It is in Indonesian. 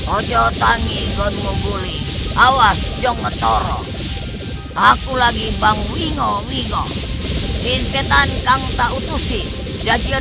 ojo tangi god moguli awas jongetoro aku lagi bang wingo wingo jin setan kangta utusi jajil